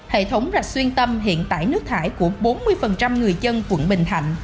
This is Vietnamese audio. hệ thống rạch xuyên tâm hiện tại nước thải của bốn mươi người dân quận bình thạnh